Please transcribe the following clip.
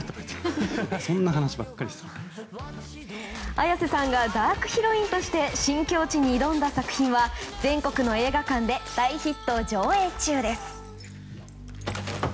綾瀬さんがダークヒロインとして新境地に挑んだ作品は全国の映画館で大ヒット上映中です。